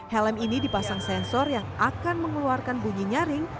helm ini dipasang sensor yang akan mengeluarkan bunyi nyaring